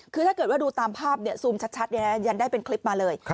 คือถ้าเกิดว่าดูตามภาพซูมชัดยังได้เป็นคลิปมาเลย